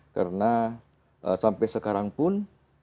karena sampai sekarang pun